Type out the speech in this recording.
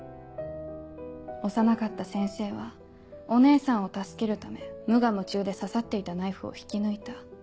幼かった先生はお姉さんを助けるため無我夢中で刺さっていたナイフを引き抜いた。